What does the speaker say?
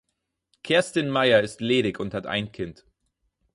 Kerstin Meier ist ledig und hat ein Kind.